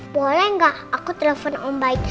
boleh gak aku telepon om baik